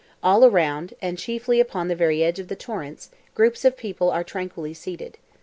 All around, and chiefly upon the very edge of the torrents, groups of people are tranquilly seated.